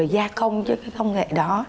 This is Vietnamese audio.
gia công cho cái công nghệ đó